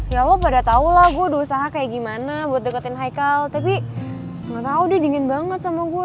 ya lo pada tau lah gue udah usaha kayak gimana buat deketin haikal tapi nggak tahu dia dingin banget sama gue